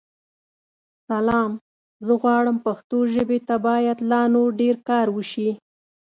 سلام؛ زه غواړم پښتو ژابې ته بايد لا نور ډير کار وشې.